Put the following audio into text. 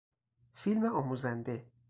فیلم آموزنده